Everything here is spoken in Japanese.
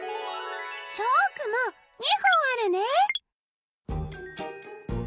チョークも２ほんあるね。